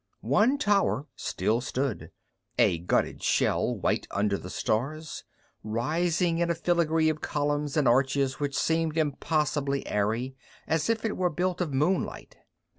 One tower still stood a gutted shell, white under the stars, rising in a filigree of columns and arches which seemed impossibly airy, as if it were built of moonlight.